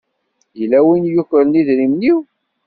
Yella win i yukren idrimen-iw.